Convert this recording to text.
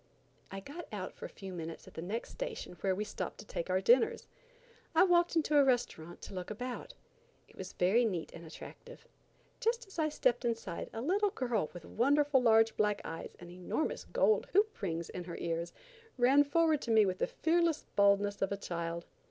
I got out for a few minutes at the next station where we stopped to take our dinners. I walked into a restaurant to look about. It was very neat and attractive. Just as I stepped inside a little girl with wonderful large black eyes and enormous gold hoop rings in her ears, ran forward to me with the fearless boldness of a child.